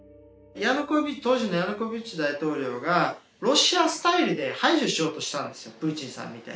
当時のヤヌコービッチ大統領がロシアスタイルで排除しようとしたんですよ。